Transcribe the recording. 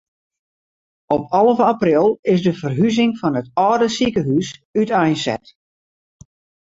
Op alve april is de ferhuzing fan it âlde sikehús úteinset.